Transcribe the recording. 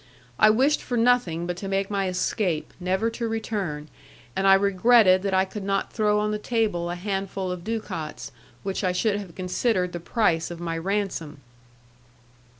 I wished for nothing but to make my escape, never to return, and I regretted that I could not throw on the table a handful of ducats, which I should have considered the price of my ransom.